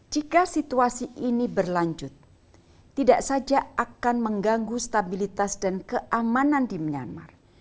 jika situasi ini berlanjut tidak saja akan mengganggu stabilitas dan keamanan di myanmar